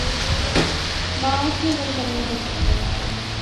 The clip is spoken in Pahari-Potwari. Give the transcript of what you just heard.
ما اس نی گل منی گئی